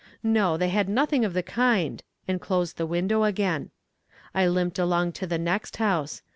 No, they had nothing of the kind, and closed the window again. I limped along to the next house.